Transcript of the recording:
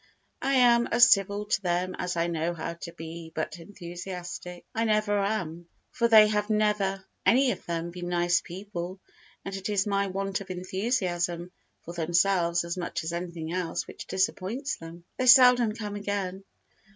I am as civil to them as I know how to be but enthusiastic I never am, for they have never any of them been nice people, and it is my want of enthusiasm for themselves as much as anything else which disappoints them. They seldom come again.